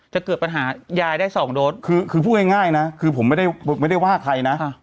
จะเกิดปัญหายายได้สองโดดคือคือพูดง่ายง่ายนะคือผมไม่ได้ผมไม่ได้ว่าใครนะค่ะ